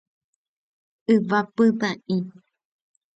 Yvapytã'i